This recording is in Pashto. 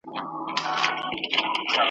تور او سپین او سره او شنه یې وه رنګونه !.